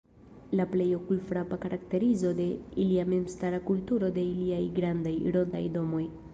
La plej okulfrapa karakterizo de ilia memstara kulturo estas iliaj grandaj, rondaj domoj.